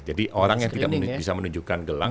jadi orang yang tidak bisa menunjukkan gelang